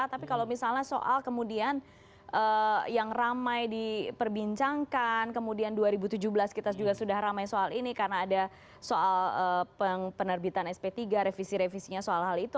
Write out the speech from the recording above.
tapi kalau misalnya soal kemudian yang ramai diperbincangkan kemudian dua ribu tujuh belas kita juga sudah ramai soal ini karena ada soal penerbitan sp tiga revisi revisinya soal hal itu